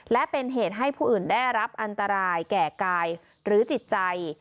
และเป็นเหตุให้ผู้อื่นได้รับอันตรายแก่กายหรือจิตใจ